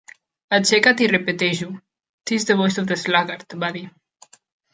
"Aixeca't i repeteix-ho" "Tis the voice of the sluggard," va dir.